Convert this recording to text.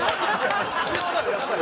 必要だぞやっぱり。